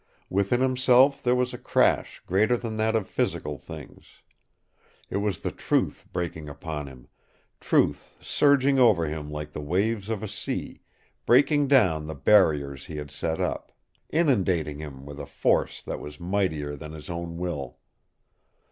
Within himself there was a crash greater than that of physical things. It was the truth breaking upon him, truth surging over him like the waves of a sea, breaking down the barriers he had set up, inundating him with a force that was mightier than his own will.